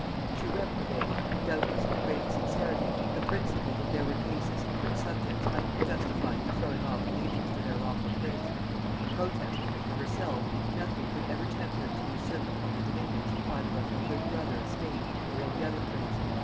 She reprobated, doubtless with great sincerity, the principle, that there were cases in which subjects might be justified in throwing off allegiance to their lawful prince; and protested that, for herself, nothing could ever tempt her to usurp upon the dominions either of her good brother of Spain or any other prince.